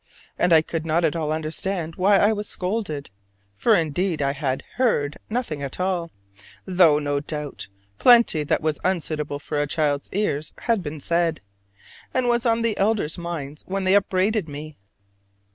And I could not at all understand why I was scolded; for, indeed, I had heard nothing at all, though no doubt plenty that was unsuitable for a child's ears had been said, and was on the elders' minds when they upbraided me.